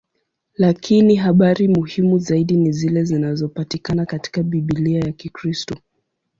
Lakini habari muhimu zaidi ni zile zinazopatikana katika Biblia ya Kikristo.